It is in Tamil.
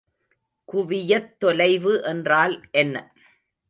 குவியத் தொலைவு என்றால் என்ன?